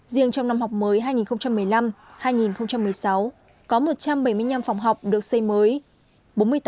riêng trong năm học mới hai nghìn một mươi năm hai nghìn một mươi sáu có một trăm bảy mươi năm phòng học được xây mới